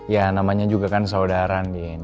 ya namanya juga kan saudara nih